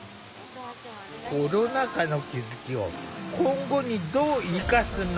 コロナ禍の気付きを今後にどう生かすのか？